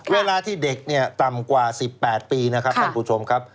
เวลาที่เด็กเนี่ยต่ำกว่า๑๘ปีนะครับท่านผู้ชมครับ